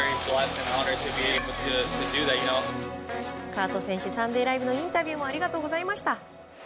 カート選手「サンデーＬＩＶＥ！！」のインタビューもありがとうございました。